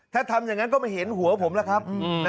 ถ้าทำอย่างนั้นก็ไม่เห็นหัวผมล่ะครับ